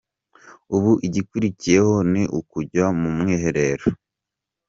Ubu igikurikiyeho ni ukujya mu mwiherero.